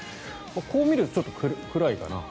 こう見るとちょっと暗いかな。